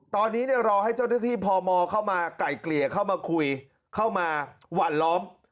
ตอนนี้รอให้เจ้าหน้าที่พมเข้ามาไก่เกลี่ยเข้ามาคุยเข้ามาหวั่นล้อม